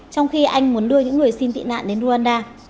trong khi anh muốn đưa những người xin tị nạn đến rwanda